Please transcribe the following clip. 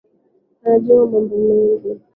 Anajua mambo mengi